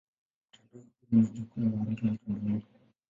Mtandao huo ni jukwaa maarufu mtandaoni.